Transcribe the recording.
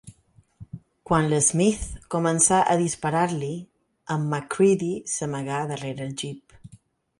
Quan l'Smith comença a disparar-li, en Macreedy s'amaga darrere el Jeep.